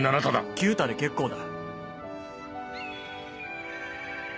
九太で結構だ。